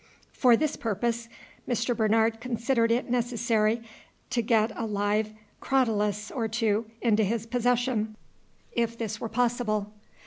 For this purpose Mr. Bernard considered it necessary to get a live crotalus or two into his possession, if this were possible.